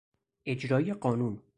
اجرای قانون